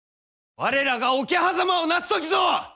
我らが桶狭間をなす時ぞ！